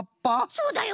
そうだよ。